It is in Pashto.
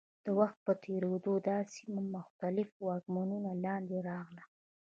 د وخت په تېرېدو دا سیمه د مختلفو واکمنیو لاندې راغله.